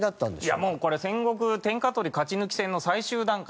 いやもうこれ戦国天下取り勝ち抜き戦の最終段階。